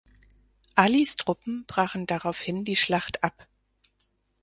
Alis Truppen brachen daraufhin die Schlacht ab.